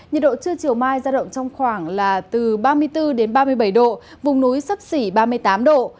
nhiệt độ trưa chiều mai ra động trong khoảng là từ ba mươi bốn đến ba mươi bảy độ vùng núi sắp xỉ ba mươi tám độ